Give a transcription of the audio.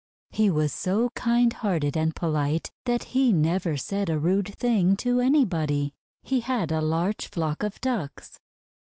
He was so kind hearted and polite that he never said a rude thing to anybody. He had a large flock of Ducks.